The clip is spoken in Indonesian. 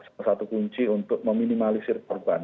salah satu kunci untuk meminimalisir korban